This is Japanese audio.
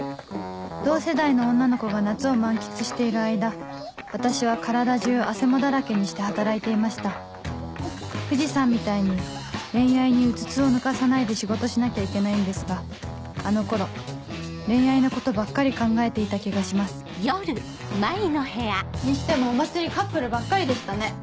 同世代の女の子が夏を満喫している間私は体中あせもだらけにして働いていました藤さんみたいに恋愛にうつつを抜かさないで仕事しなきゃいけないんですがあの頃恋愛のことばっかり考えていた気がしますにしてもお祭りカップルばっかりでしたね。